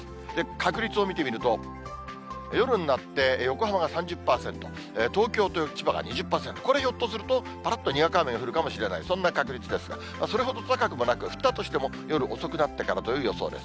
確率を見てみると、夜になって横浜が３０％、東京と千葉が２０％、これ、ひょっとすると、ぱらっとにわか雨が降るかもしれない、そんな確率ですが、それほど高くもなく、降ったとしても夜遅くなってからという予想です。